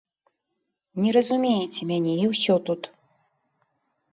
Не разумееце мяне, і ўсё тут.